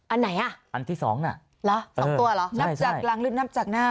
อันไหนอ่ะอันที่๒น่ะล่ะ๒ตัวหรอนับจากฝั่งนับจากหน้า